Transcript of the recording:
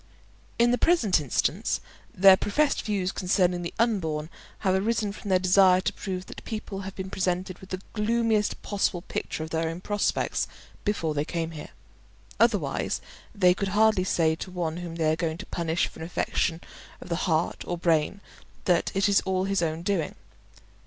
In the present instance their professed views concerning the unborn have arisen from their desire to prove that people have been presented with the gloomiest possible picture of their own prospects before they came here; otherwise, they could hardly say to one whom they are going to punish for an affection of the heart or brain that it is all his own doing.